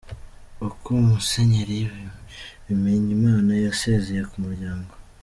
Uko Musenyeri Bimenyimana yasezeye ku muryango.